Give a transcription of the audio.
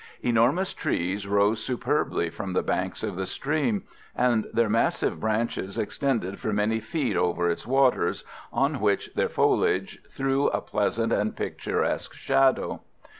Enormous trees rose superbly from the banks of the stream, and their massive branches extended for many feet over its waters, on which their foliage threw a pleasant and picturesque shadow.